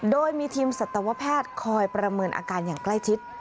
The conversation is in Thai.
โดยมีทีมสัตวแพทย์คอยประเมินอาการอย่างใกล้ชิด